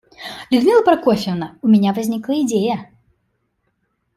Людмила Прокофьевна, у меня возникла идея.